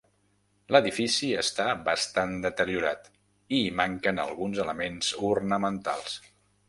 L'edifici està bastant deteriorat i hi manquen alguns elements ornamentals.